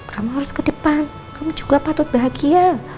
kamu harus ke depan kamu juga patut bahagia